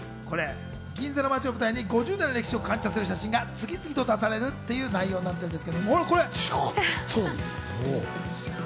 銀座の街を舞台に５０年の歴史を感じさせる写真が次々と映し出される内容になっています。